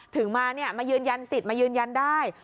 ถึงมามายืนยันสิทธิ์มายืนยันได้